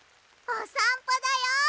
おさんぽだよ！